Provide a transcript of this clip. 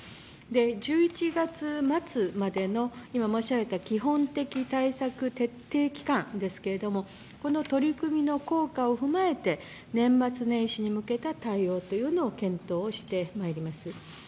１１月末までの、今申し上げた基本的対策徹底期間ですけどこの取り組みの効果を踏まえて、年末年始に向けた対応を検討をしてまいります。